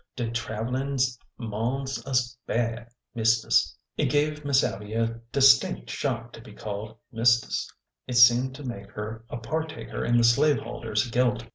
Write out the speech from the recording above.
De travelin' 's mons'us bad, mistis." It gave Miss Abby a distinct shock to be called mis tis." It seemed to make her a partaker in the slaveholder's guilt.